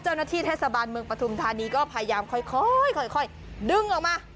เจ้าหน้าที่เทศบาลเมืองปฐุมธานีก็พยายามค่อยดึงออกมา